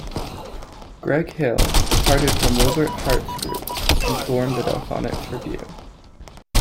Greg Hill departed from Wilbert Hart's group and formed The Delfonics Revue.